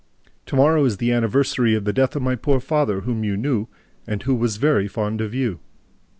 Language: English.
To morrow is the anniversary of the death of my poor father, whom you knew and who was very fond of you.